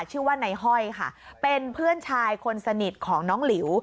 ชื่อว่าในห้อยค่ะเป็นเพื่อนชายคนสนิทของน้องหลิว